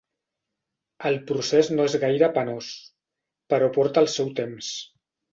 El procés no és gaire penós, però porta el seu temps.